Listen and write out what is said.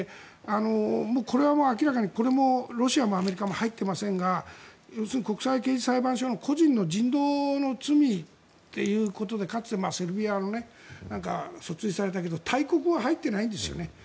これはもう明らかにロシアもアメリカも入っていませんが要するに国際刑事裁判所の個人の人道の罪ということでかつてセルビア、訴追されたけど大国は入ってないんですよね。